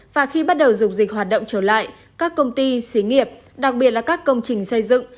và khi bắt đầu dục dịch hoạt động trở lại các công ty xí nghiệp đặc biệt là các công trình xây dựng